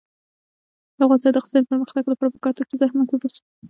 د افغانستان د اقتصادي پرمختګ لپاره پکار ده چې زحمت وباسو.